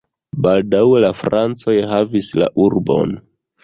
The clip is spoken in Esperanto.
Baldaŭe la francoj havis la urbon.